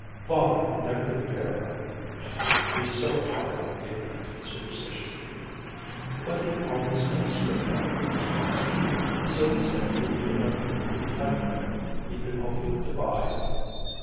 Father never could bear her (he's so hard on ignorant, superstitious people), but he always does what Mother thinks best, so he said he'd give up the new typewriter he'd been hoping to buy.